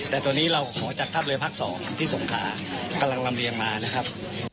ที่เราขอจากทัพเรือภักด์๒ที่ส่งทางพรรณรำเลียงมานะครับ